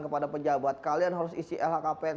kepada pejabat kalian harus isi lhkpn